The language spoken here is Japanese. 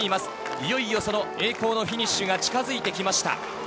いよいよその栄光のフィニッシュが近づいてきました。